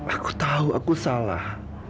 aku tahu aku salah